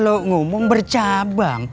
itu kalau ngomong bercabang